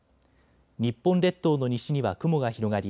日本列島の西には雲が広がり